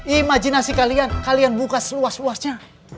imajinasi kalian kalian buka seluas luasnya